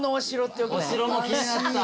お城も気になった。